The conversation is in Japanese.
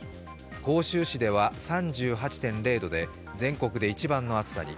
甲州市では３８．０度で全国で一番の暑さに。